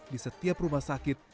di setiap rumah sakit